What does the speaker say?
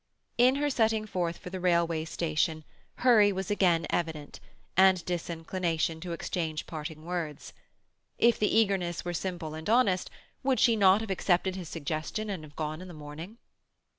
In her setting forth for the railway station hurry was again evident, and disinclination to exchange parting words. If the eagerness were simple and honest, would she not have accepted his suggestion and have gone in the morning?